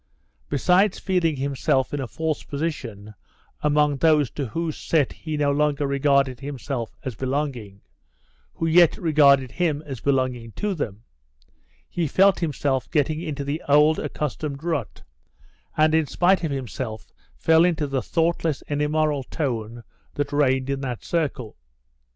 Besides feeling himself in a false position among those to whose set he no longer regarded himself as belonging, who yet regarded him as belonging to them, he felt himself getting into the old accustomed rut, and in spite of himself fell into the thoughtless and immoral tone that reigned in that circle.